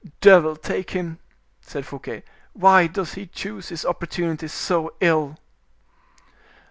"Devil take him!" said Fouquet, "why does he choose his opportunity so ill?"